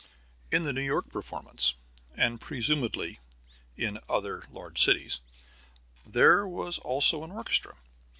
In the New York performance, and presumably in other large cities, there was also an orchestra.